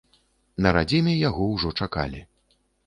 На радзіме яго ўжо чакалі.